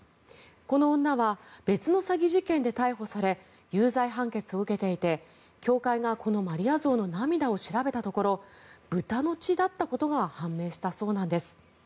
この女は別の詐欺事件で逮捕され有罪判決を受けていて教会がこのマリア像の涙を調べたところ豚の血だったことが判明したそうなんです。